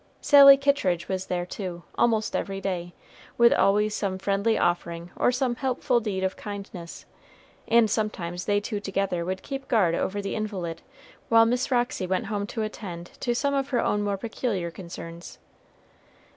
Sally Kittridge was there too, almost every day, with always some friendly offering or some helpful deed of kindness, and sometimes they two together would keep guard over the invalid while Miss Roxy went home to attend to some of her own more peculiar concerns.